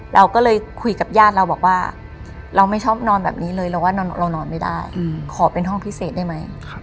เราก็เลยคุยกับญาติเราบอกว่าเราไม่ชอบนอนแบบนี้เลยเราว่าเรานอนไม่ได้ขอเป็นห้องพิเศษได้ไหม